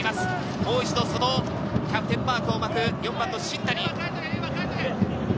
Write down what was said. もう一度キャプテンマークを巻く４番の新谷へ。